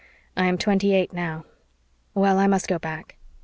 "I am twenty eight now. Well, I must go back."